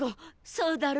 そうだろ？